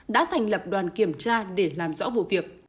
đã thành lập đoàn kiểm tra để làm rõ vụ việc